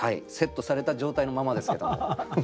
セットされた状態のままですけども。